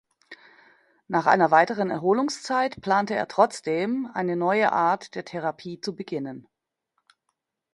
Nach einer weiteren Erholungszeit plante er trotzdem, eine neue Art der Therapie zu beginnen.